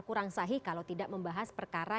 kurang sahih kalau tidak membahas perkara